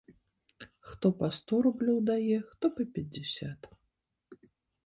Хто па сто рублёў дае, хто па пяцьдзясят.